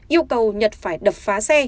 yêu cầu nhật phải đập phá xe